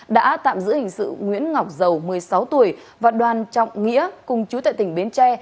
đã tạm giữ hình sự nguyễn ngọc dầu một mươi sáu tuổi và đoàn trọng nghĩa cùng chú tại tỉnh bến tre